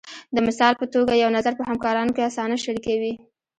د مثال په توګه یو نظر په همکارانو کې اسانه شریکوئ.